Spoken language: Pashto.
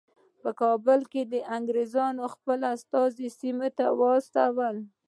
په کابل کې د انګریزانو خپل استازی سیملې ته واستاوه.